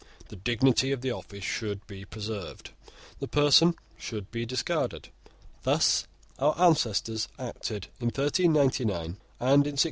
The dignity of the office should be preserved: the person should be discarded. Thus our ancestors acted in 1399 and in 1689.